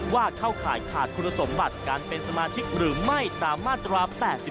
เข้าข่ายขาดคุณสมบัติการเป็นสมาชิกหรือไม่ตามมาตรา๘๔